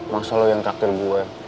masalah lo yang kaktir gue